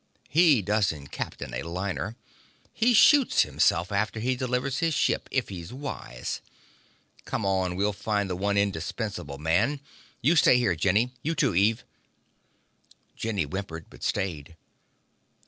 He doesn't captain a liner he shoots himself after he delivers his ship, if he's wise! Come on, we'll find the one indispensable man. You stay here, Jenny you too, Eve!" Jenny whimpered, but stayed.